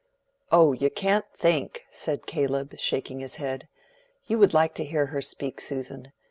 "Oh, you can't think!" said Caleb, shaking his head. "You would like to hear her speak, Susan.